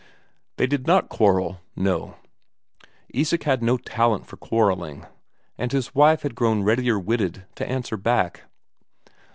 They did not quarrel, no. Isak had no talent for quarrelling, and his wife had grown readier witted to answer back.